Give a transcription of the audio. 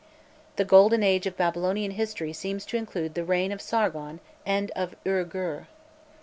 "The golden age of Babylonian history seems to include the reign of Sargon and of Ur Gur."